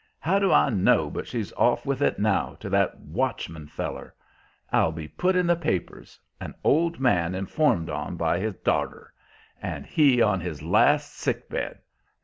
How do I know but she's off with it now, to that watchman feller. I'll be put in the papers an old man informed on by his darter, and he on his last sick bed!...